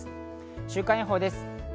週間予報です。